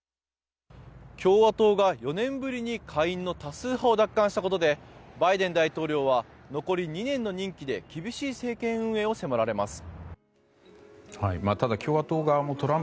共和党が４年ぶりに下院の多数派を奪還したことでバイデン大統領は残り２年の任期で厳しい政権運営を迫られます。